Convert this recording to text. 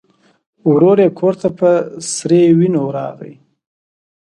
ورور یې کور ته په سرې وینو راغی.